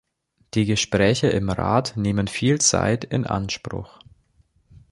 Die Gespräche im Rat nehmen viel Zeit in Anspruch.